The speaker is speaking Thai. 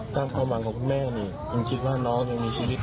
ตามความหวังของคุณแม่นี่คิดว่าน้องยังมีชีวิต